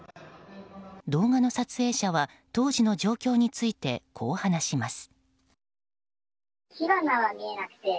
動画の撮影者は当時の状況についてこう話します。